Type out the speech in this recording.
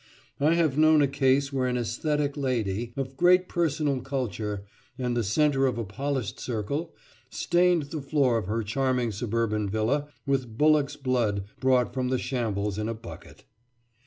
I have known a case where an æsthetic lady, of great personal culture, and the centre of a polished circle, stained the floor of her charming suburban villa with bullock's blood brought from the shambles in a bucket.